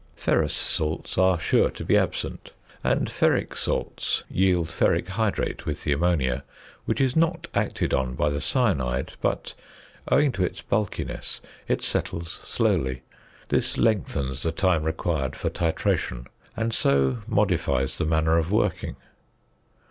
Ferrous salts are sure to be absent, and ferric salts yield ferric hydrate with the ammonia, which is not acted on by the cyanide, but, owing to its bulkiness, it settles slowly; this lengthens the time required for titration, and so modifies the manner of working.